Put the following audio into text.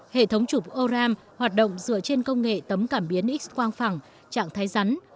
hệ thống chụp oram hoạt động dựa trên công nghệ tấm cảm biến x quang phẳng trạng thái rắn